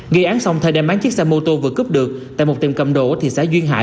gây án xong thời đêm bán chiếc xe mô tô vừa cướp được tại một tiệm cầm đổ thị xã duyên hải